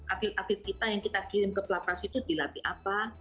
atlet atlet kita yang kita kirim ke pelatnas itu dilatih apa